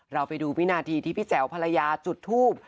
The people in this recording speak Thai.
เราไปดูวินาทีที่พี่แจ๋วภรรยาจุดทูบ